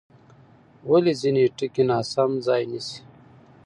ولې ځینې ټکي ناسم ځای نیسي؟